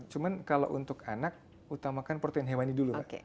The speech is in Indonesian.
cuman kalau untuk anak utamakan protein hewani dulu